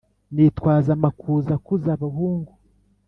nitwaza amakuza akuza abahungu